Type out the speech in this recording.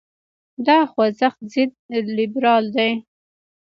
دا خوځښت ضد لیبرال دی.